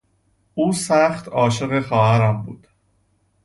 او سخت عاشق خواهرم بود.